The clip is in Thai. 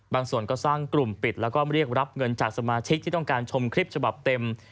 ส่วนก็สร้างกลุ่มปิดแล้วก็เรียกรับเงินจากสมาชิกที่ต้องการชมคลิปฉบับเต็ม